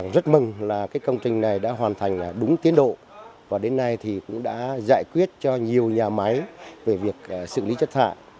rất mừng là công trình này đã hoàn thành đúng tiến độ và đến nay thì cũng đã giải quyết cho nhiều nhà máy về việc xử lý chất thải